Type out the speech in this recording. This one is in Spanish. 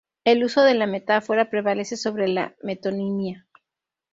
El uso de la metáfora prevalece sobre la metonimia.